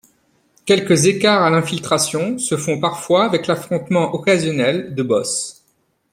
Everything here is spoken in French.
Quelques écarts à l'infiltration se font parfois avec l'affrontement occasionnel de boss.